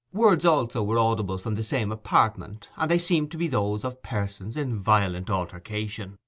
Words also were audible from the same apartment, and they seemed to be those of persons in violent altercation.